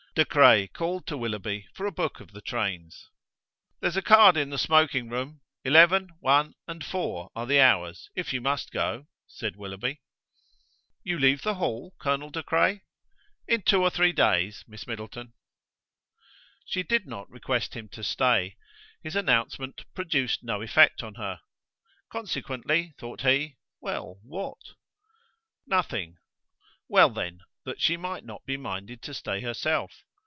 De Craye called to Willoughby for a book of the trains. "There's a card in the smoking room; eleven, one, and four are the hours, if you must go," said Willoughby. "You leave the Hall, Colonel De Craye?" "In two or three days, Miss Middleton." She did not request him to stay: his announcement produced no effect on her. Consequently, thought he well, what? nothing: well, then, that she might not be minded to stay herself.